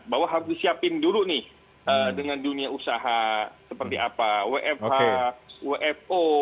bahwa harus disiapin dulu nih dengan dunia usaha seperti apa wfh wfo